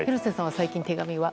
最近、手紙は？